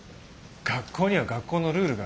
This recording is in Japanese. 学校には学校のルールがある。